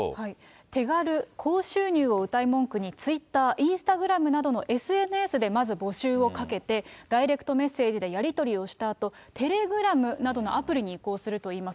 手軽、高収入をうたい文句にツイッター、インスタグラムなどのＳＮＳでまず募集をかけて、ダイレクトメッセージでやり取りをしたあと、テレグラムなどのアプリに移行するといいます。